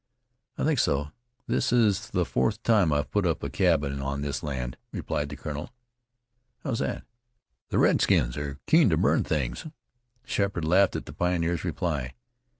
"I think so; this is the fourth time I've put up a' cabin on this land," replied the colonel. "How's that?" "The redskins are keen to burn things." Sheppard laughed at the pioneer's reply.